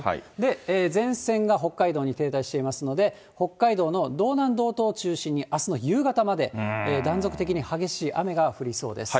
前線が北海道に停滞していますので、北海道の道南、道東を中心に、あすの夕方まで断続的に激しい雨が降りそうです。